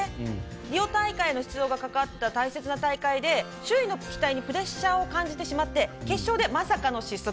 リオ大会の出場がかかった大切な大会で周囲の期待にプレッシャーを感じてしまって決勝でまさかの失速。